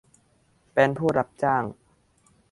เป็นผู้รับจ้าง